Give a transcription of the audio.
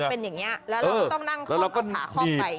ใช่มันจะเป็นอย่างนี้แล้วเราก็ต้องนั่งค่อมแล้วผ่าค่อมไปอย่างนี้